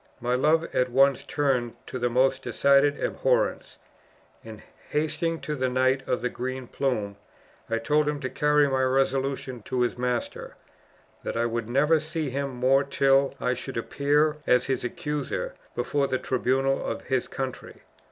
My love at once turned to the most decided abhorrence; and hastening to the Knight of the Green Plume, I told him to carry my resolution to his master, that I would never see him more till I should appear as his accuser before the tribunal of his country.